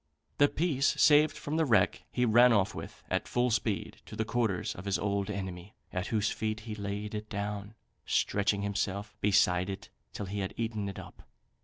The piece saved from the wreck he ran off with, at full speed, to the quarters of his old enemy, at whose feet he laid it down, stretching himself beside it till he had eaten it up.